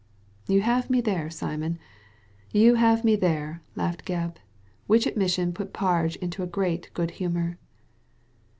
" You have me there, Simon, you have me there," laughed Gebb; which admission put Parge into great good humour.